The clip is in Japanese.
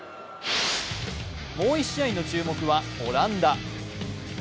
もう１試合の注目はオランダ。